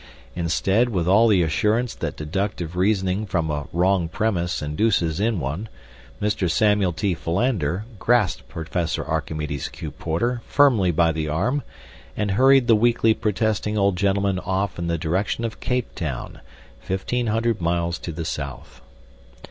Instead, with all the assurance that deductive reasoning from a wrong premise induces in one, Mr. Samuel T. Philander grasped Professor Archimedes Q. Porter firmly by the arm and hurried the weakly protesting old gentleman off in the direction of Cape Town, fifteen hundred miles to the south.